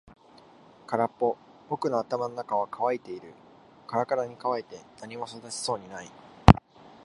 空っぽ。僕の頭の中は乾いている。からからに乾いて何も育ちそうもない。